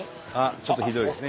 ちょっとひどいですね